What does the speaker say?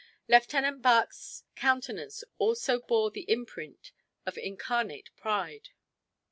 Lieutenant Bach's countenance also bore the imprint of incarnate pride.